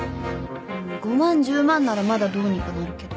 ５万１０万ならまだどうにかなるけど。